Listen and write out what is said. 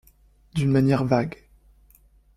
D’une manière vague.